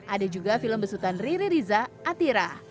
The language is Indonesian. ada juga film besutan riri riza atira